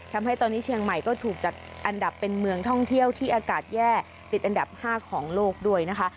ทำให้ตอนนี้เชียงใหม่ก็ถูกจัดอันดับเป็นเมืองท่องเที่ยวที่อากาศแย่ติดอันดับ๕ของโลกด้วยนะคะ